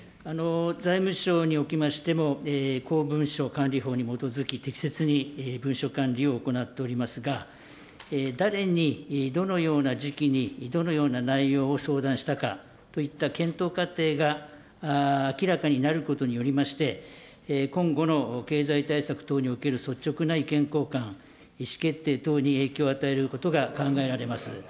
財務省におきましても、公文書管理法に基づき、適切に文書管理を行っておりますが、誰に、どのような時期に、どのような内容を相談したかといった検討過程が明らかになることによりまして、今後の経済対策等における率直な意見交換、意思決定等に影響を与えることが考えられます。